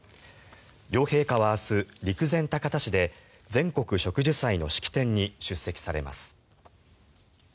両陛下は、明日陸前高田市で全国植樹祭の式典に出席されます。